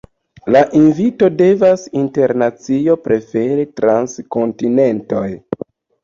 La invito devas internacio, prefere trans kontinentoj.